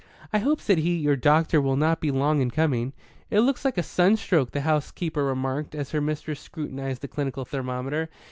"I hope," said he, "your doctor will not be long in coming." "It looks like a sunstroke," the housekeeper remarked, as her mistress scrutinized the clinical thermometer.